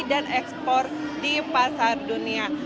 dan ekspor di pasar dunia